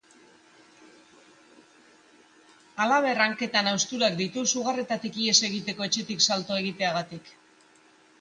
Halaber, hanketan hausturak ditu sugarretatik ihes egiteko etxetik salto egiteagatik.